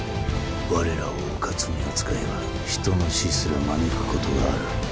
我らをうかつに扱えば人の死すら招くことがある。